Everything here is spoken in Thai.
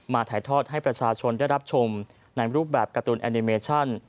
ถ่ายทอดให้ประชาชนได้รับชมในรูปแบบการ์ตูนแอนิเมชั่น